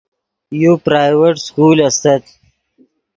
یو پرائیویٹ سکول استت